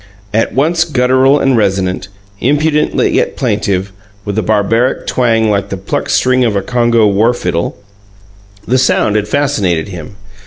At once guttural and resonant, impudent yet plaintive, with a barbaric twang like the plucked string of a Congo war fiddle, the sound had fascinated him.